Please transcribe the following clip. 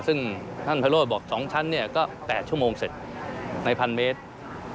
ซึ่งท่านเภรูบอกสองชั้นเนี่ยก็๘ชั่วโมงเสร็จในพันเมตรนะฮะ